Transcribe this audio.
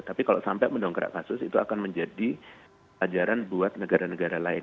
tapi kalau sampai mendongkrak kasus itu akan menjadi ajaran buat negara negara lain